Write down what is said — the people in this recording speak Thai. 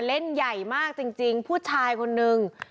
เล่นใหญ่มากจริงผู้ชายคนนึง